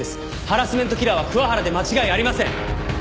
ハラスメントキラーは桑原で間違いありません！